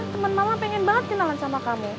teman mama pengen banget kenalan sama kamu